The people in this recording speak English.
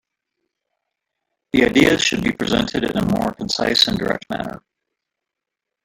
The ideas should be presented in a more concise and direct manner.